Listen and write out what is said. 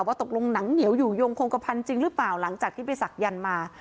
ตกลงหนังเหนียวอยู่ยงคงกระพันธ์จริงหรือเปล่าหลังจากที่ไปศักยันต์มา